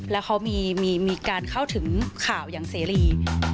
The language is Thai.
แล้วเขามีการเข้าถึงข่าวอย่างเสรี